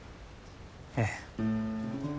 ええ。